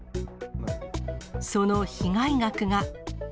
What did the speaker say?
その被害額が。